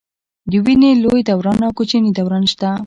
د وینې لوی دوران او کوچني دوران شته.